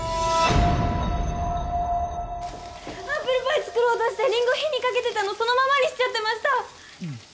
アップルパイ作ろうとしてリンゴ火にかけてたのそのままにしちゃってました！